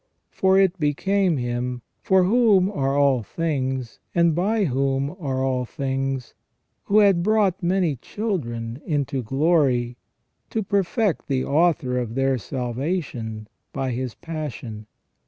For it became Him, for whom are all things, and by whom are all things, who had brought many children into glory, to perfect the author of their salvation, by His passion.